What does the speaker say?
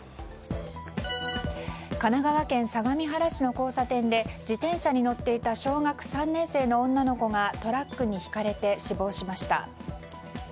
神奈川県相模原市の交差点で自転車に乗っていた小学３年生の女の子がトラックにひかれて死亡しました。